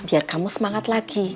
biar kamu semangat lagi